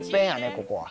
ここは。